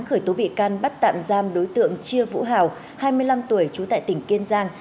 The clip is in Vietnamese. khởi tố bị can bắt tạm giam đối tượng chia vũ hào hai mươi năm tuổi trú tại tỉnh kiên giang